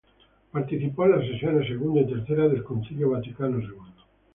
Participó en la sesiones segunda y tercera del Concilio Vaticano Segundo.